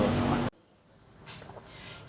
almarhum dikenal sebagai sosok yang baik